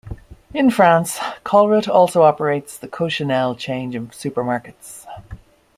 In France Colruyt also operates the Coccinelle chain of supermarkets.